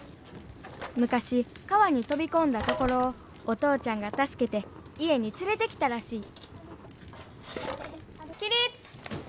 昔川に飛び込んだところをお父ちゃんが助けて家に連れてきたらしい起立！